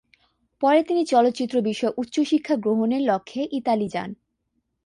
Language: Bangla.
পরে তিনি চলচ্চিত্র বিষয়ে উচ্চশিক্ষা গ্রহণের লক্ষ্যে ইতালি যান।